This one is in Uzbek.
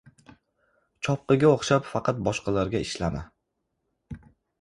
chopqiga o‘xshab faqat boshqalarga ishlama.